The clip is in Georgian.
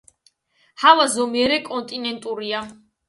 ჰავა ზომიერი კონტინენტურია.